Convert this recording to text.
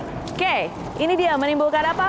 oke ini dia menimbulkan apa